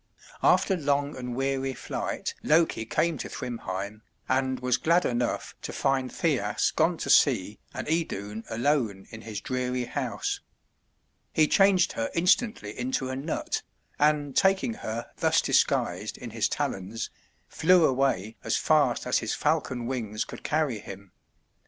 After long and weary flight Loki came to Thrymheim, and was glad enough to find Thjasse gone to sea and Idun alone in his dreary house. He changed her instantly into a nut, and taking her thus disguised in his talons, flew away as fast as his falcon wings could carry him.